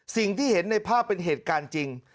สิ่งที่เห็นในภาพเป็นเหตุการณ์จริง